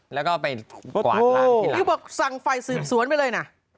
แล้วก็ไปนี่บอกสั่งไฟสืบสวนไปเลย